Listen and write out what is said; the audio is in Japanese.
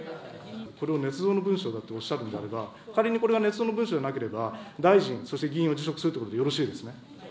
これをねつ造の文書だとおっしゃるんであれば、仮にこれがねつ造の文書でなければ、大臣、そして議員を辞職するということでよろしいですね。